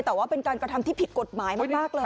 แต่ว่าเป็นการกระทำที่ผิดกฎหมายมากเลย